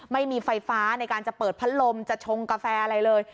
ไม่มีไฟฟ้าในการจะเปิดพัดลมจะชงกาแฟอะไรเลย